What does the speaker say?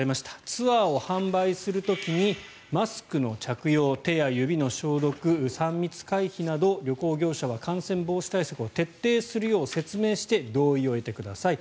ツアーを販売する時にマスクの着用、手や指の消毒３密回避など旅行業者は感染防止対策を徹底するよう説明して同意を得てください。